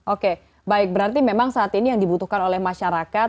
oke baik berarti memang saat ini yang dibutuhkan oleh masyarakat